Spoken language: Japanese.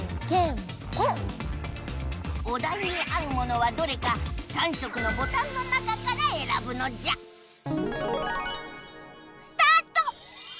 おだいに合うものはどれか３色のボタンの中からえらぶのじゃスタート！